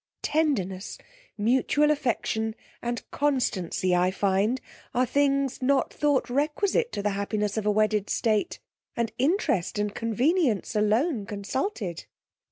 Tenderness, mutual affection, and constancy. I find, are things not thought requisite to the happiness of a wedded state; and interest and convenience alone consulted.